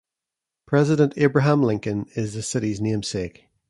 President Abraham Lincoln is the city's namesake.